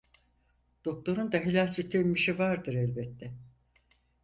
Doktorun da helal süt emmişi vardır elbette…